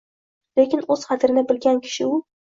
Lekin o‘z qadrini bilgan kishi u.